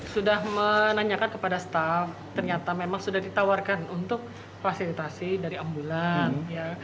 sudah menanyakan kepada staff ternyata memang sudah ditawarkan untuk fasilitasi dari ambulan ya